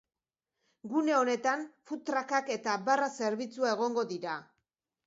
Gune honetan food truck-ak eta barra zerbitzua egongo dira.